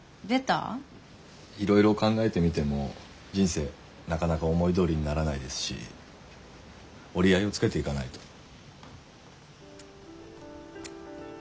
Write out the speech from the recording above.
いろいろ考えてみても人生なかなか思いどおりにならないですし折り合いをつけていかないと。